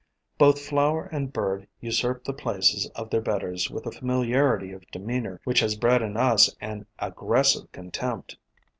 Both flower and bird usurp the places of their betters with a familiarity of demeanor which has bred in us an aggressive contempt.